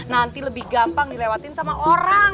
nanti lebih gampang dilewatin sama orang